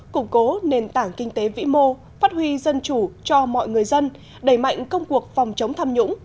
củng cố nền tảng kinh tế vĩ mô phát huy dân chủ cho mọi người dân đẩy mạnh công cuộc phòng chống tham nhũng